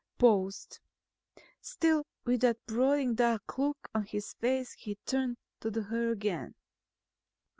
Paused. Still with that brooding dark look on his face he turned to her again.